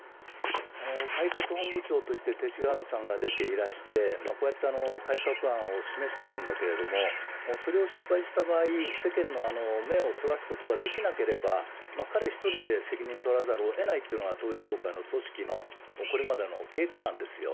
改革本部長として勅使河原さんが出ていらして、こうやって改革案を示してるんだけれども、それを失敗した場合、世間の目をそらすことができなければ、彼一人で責任取らざるをえないというのが、統一教会の組織のこれまでの経過なんですよ。